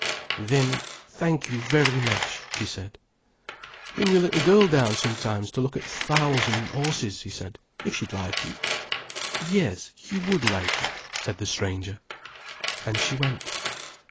"Then, thank you very much," she said. "Bring your little girl down sometime to look at th' fowls and horses," he said,—"if she'd like it." "Yes, she would like it," said the stranger. And she went.